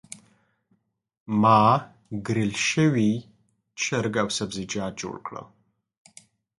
ما ګرل شوي چرګ او سبزیجات جوړ کړل.